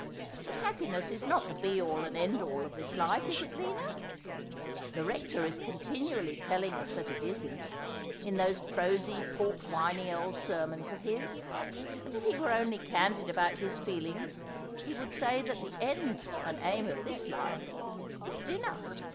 But happiness is not the be all and end all of this life, is it, Lina ? The Rector is continually tell ing us that it isn't, in those prosy port winey old sermons of his ; but if he were only candid about his feelings he would say that the end and aim of this life was dinner.